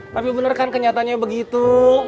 tapi bener kan kenyataannya begitu